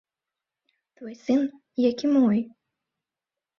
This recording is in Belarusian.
Твой сын, як і мой.